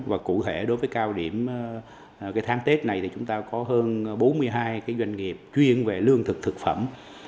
và cụ thể đối với cao điểm tháng tết này thì chúng ta có hơn bốn mươi hai doanh nghiệp chuyên về lương thực thực phẩm